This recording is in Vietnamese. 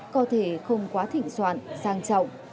có thể không quá thỉnh soạn sang trọng